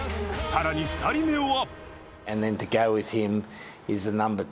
さらに２人目は。